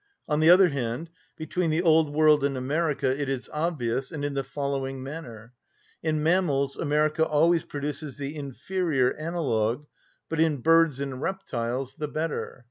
On the other hand, between the old world and America it is obvious, and in the following manner. In mammals America always produces the inferior analogue, but in birds and reptiles the better.